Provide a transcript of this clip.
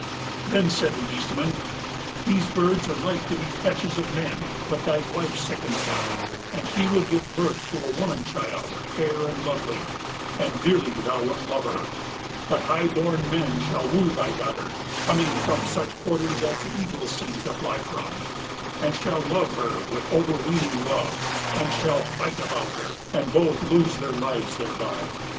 Then said the Eastman: "These birds are like to be fetches of men: but thy wife sickens now, and she will give birth to a woman child fair and lovely; and dearly thou wilt love her; but high born men shall woo thy daughter, coming from such quarters as the eagles seemed to fly from, and shall love her with overweening love, and shall fight about her, and both lose their lives thereby.